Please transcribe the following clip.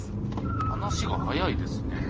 話が早いですね。